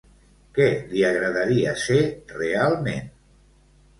Què li agradaria ser realment?